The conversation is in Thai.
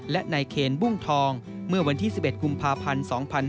และนายเคนบุ้งทองเมื่อวันที่๑๑กุมภาพันธ์๒๕๕๙